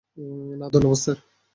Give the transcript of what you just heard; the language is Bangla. না ধন্যবাদ, স্যার।